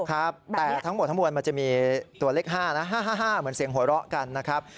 แต่ทั้งหมดมันจะมีตัวเลข๕นะ๕๕๕เหมือนเสียงโหละกันนะครับ